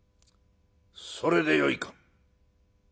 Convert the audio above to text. それでよいか？」。